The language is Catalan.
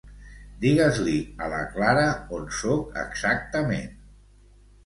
Digues-li a la Clara on soc exactament.